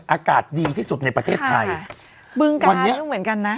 อากาศดีที่สุดในประเทศไทยวันเนี่ยบึงกายตรงเหมือนกันนะ